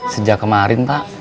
sejak kemarin pak